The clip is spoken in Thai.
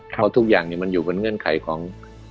เพราะทุกอย่างมันอยู่บนเงื่อนไขของ